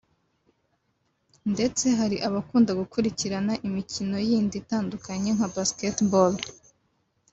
ndetse hari abakunda gukurikirana imikino yindi itandukanye nka Basket Ball